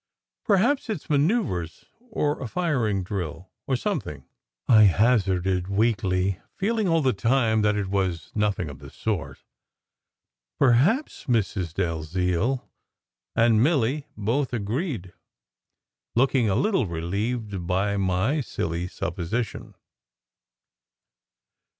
"Perhaps it s manoeuvres, or a firing drill, or something," I hazarded weakly, feeling all the time that it was nothing of the sort. "Perhaps," Mrs. Dalziel and Milly both agreed, looking a little relieved by my silly supposition.